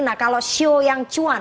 nah kalau show yang cuan